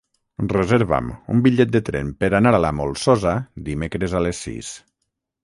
Reserva'm un bitllet de tren per anar a la Molsosa dimecres a les sis.